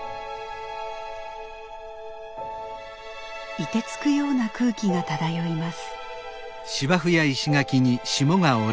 いてつくような空気が漂います。